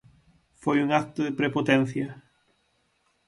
Foi un acto de prepotencia.